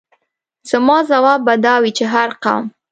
زما ځواب به دا وي چې هر قوم.